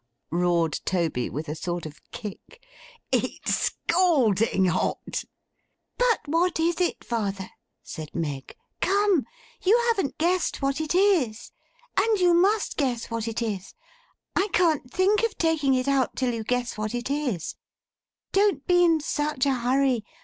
'Ha, ha, ha!' roared Toby, with a sort of kick. 'It's scalding hot!' 'But what is it, father?' said Meg. 'Come. You haven't guessed what it is. And you must guess what it is. I can't think of taking it out, till you guess what it is. Don't be in such a hurry!